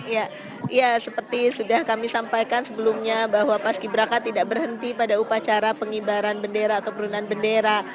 ya seperti sudah kami sampaikan sebelumnya bahwa paski beraka tidak berhenti pada upacara pengibaran bendera atau penurunan bendera